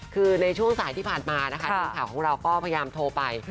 คือในช่วงสายที่ผ่านมานะคะทีมข่าวของเราก็พยายามโทรไป